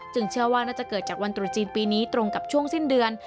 เชื่อว่าน่าจะเกิดจากวันตรุษจีนปีนี้ตรงกับช่วงสิ้นเดือน